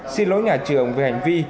xin lỗi nhà trường về hành vi